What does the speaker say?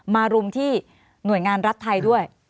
รุมที่หน่วยงานรัฐไทยด้วย